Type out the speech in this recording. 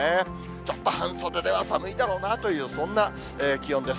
ちょっと半袖では寒いだろうなという、そんな気温です。